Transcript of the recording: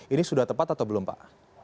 ini sudah tepat atau belum pak